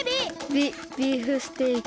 ビビーフステーキ。